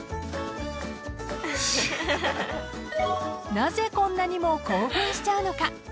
［なぜこんなにも興奮しちゃうのか］